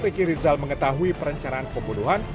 ricky lizal mengetahui perencanaan pembunuhan